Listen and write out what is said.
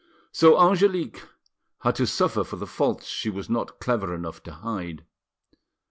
So Angelique had to suffer for the faults she was not clever enough to hide.